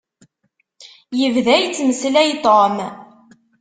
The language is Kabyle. Yebda yettmeslay Tom.